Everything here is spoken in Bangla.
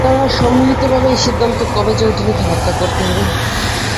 তারা সম্মিলিতভাবে এই সিদ্ধান্ত করে যে, উটনীটিকে হত্যা করতে হবে।